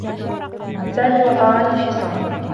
سامي وقع عن الحصان.